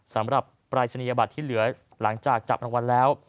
สำหรับปรายศนียบัตรที่เหลือหลังจากจับรางวัลแล้ว